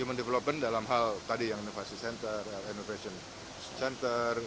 demand development dalam hal tadi yang inovasi center innovation center